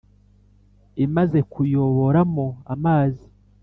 Imaze kuyoboramo amazi,